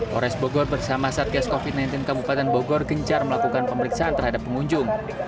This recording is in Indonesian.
polres bogor bersama satgas covid sembilan belas kabupaten bogor gencar melakukan pemeriksaan terhadap pengunjung